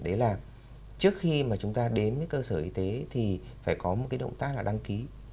đấy là trước khi mà chúng ta đến với cơ sở y tế thì phải có một cái động tác là đăng ký